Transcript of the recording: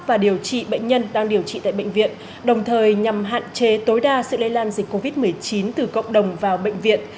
và điều trị bệnh nhân đang điều trị tại bệnh viện đồng thời nhằm hạn chế tối đa sự lây lan dịch covid một mươi chín từ cộng đồng vào bệnh viện